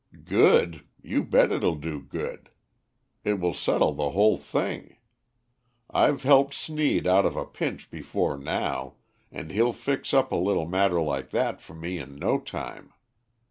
"Good? You bet it'll do good! It will settle the whole thing. I've helped Sneed out of a pinch before now, and he'll fix up a little matter like that for me in no time.